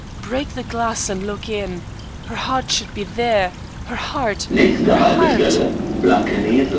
Break the glass and look in. Her heart should be there her heart her heart!"